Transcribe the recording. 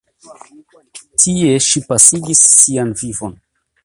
Tie ŝi pasigis sian vivon.